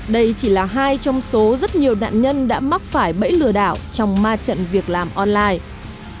đây chỉ là hai trong số rất nhiều nạn nhân đã mắc phải bẫy lừa đảo trong ma trận việc làm online